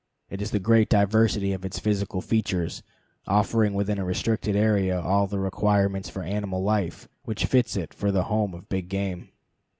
It is the great diversity of its physical features, offering within a restricted area all the requirements for animal life, which fits it for the home of big game.